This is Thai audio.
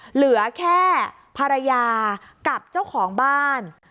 เหลือแค่ภรรยากับเจ้าของบ้าน